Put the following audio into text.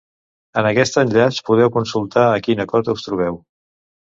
En aquest enllaç podeu consultar a quina cota us trobeu.